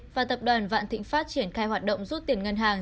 và tập đoàn vạn thịnh pháp triển khai hoạt động rút tiền ngân hàng